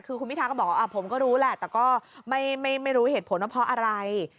คือคุณพิทาก็บอกว่าผมก็รู้แหละแต่ก็ไม่รู้เหตุผลว่าเพราะอะไร